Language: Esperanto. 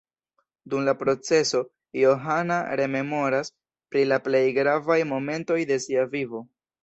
Dum la proceso, Johana rememoras pri la plej gravaj momentoj de sia vivo.